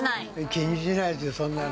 気にしないですよ、そんなの。